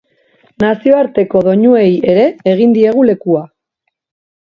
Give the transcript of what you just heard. Nazioarteko doinuei ere egin diegu lekua.